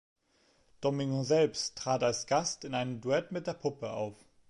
Domingo selbst trat als Gast in einem Duett mit der Puppe auf.